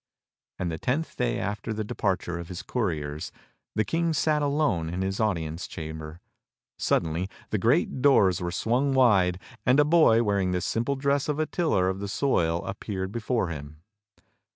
On the tenth day after the departure of his couriers, the King sat alone in his audience chamber. Suddenly the great doors were swung wide, and a boy wearing the simple dress of a tiller of the soil ap peared before him.